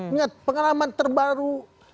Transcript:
ingat pengalaman terbaru